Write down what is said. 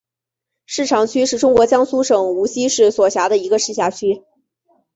南长区是中国江苏省无锡市所辖的一个市辖区。